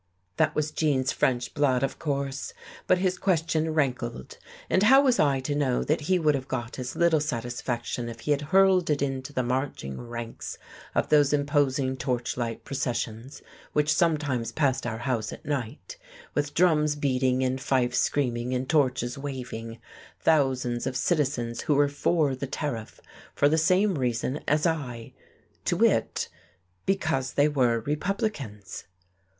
That was Gene's French blood, of course. But his question rankled. And how was I to know that he would have got as little satisfaction if he had hurled it into the marching ranks of those imposing torch light processions which sometimes passed our house at night, with drums beating and fifes screaming and torches waving, thousands of citizens who were for the Tariff for the same reason as I: to wit, because they were Republicans.